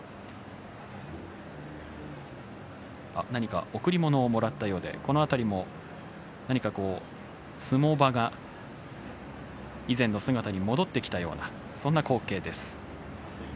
何か贈り物をもらったようでこの辺りも何か相撲場が以前の姿に戻ってきたようなそんな光景です。